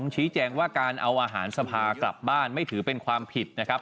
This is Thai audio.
ชี้แจงว่าการเอาอาหารสภากลับบ้านไม่ถือเป็นความผิดนะครับ